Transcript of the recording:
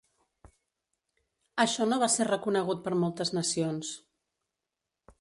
Això no va ser reconegut per moltes nacions.